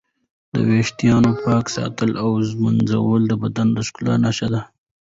د ویښتانو پاک ساتل او ږمنځول د بدن د ښکلا نښه ده.